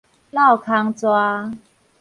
落空逝